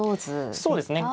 そうですね。